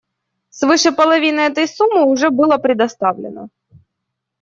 Свыше половины этой суммы уже было предоставлено.